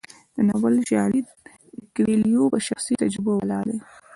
د ناول شالید د کویلیو په شخصي تجربو ولاړ دی.